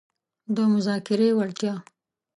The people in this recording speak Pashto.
-د مذاکرې وړتیا